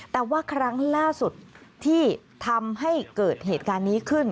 แต่ว่าครั้งล่าสุดที่ทำให้เกิดเหตุการณ์นี้ขึ้น